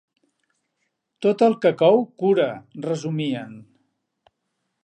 Tot el que cou, cura —resumien.